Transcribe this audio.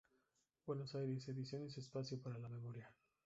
Buenos Aires: Ediciones Espacio para la Memoria.